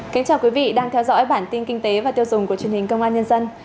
kính chào quý vị đang theo dõi bản tin kinh tế và tiêu dùng của truyền hình công an nhân dân